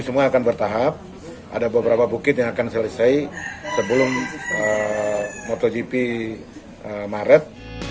semua akan bertahap ada beberapa bukit yang akan selesai sebelum motogp maret